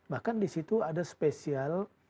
bahkan disitu ada spesial